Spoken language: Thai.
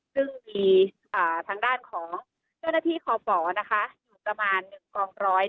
ซึ่งมีทางด้านของเจ้าหน้าที่คอฝนะคะอยู่ประมาณ๑กองร้อย